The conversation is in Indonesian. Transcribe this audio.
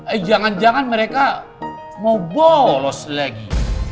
eh jangan jangan mereka mau bolos lagi